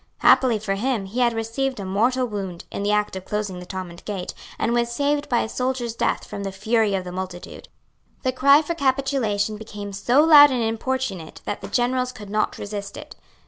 Happily for him, he had received a mortal wound, in the act of closing the Thomond Gate, and was saved by a soldier's death from the fury of the multitude. The cry for capitulation became so loud and importunate that the generals could not resist it.